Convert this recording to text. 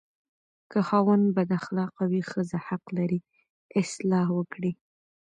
که خاوند بداخلاقه وي، ښځه حق لري اصلاح وکړي.